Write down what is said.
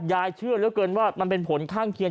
ยายเชื่อเหลือเกินว่ามันเป็นผลข้างเคียง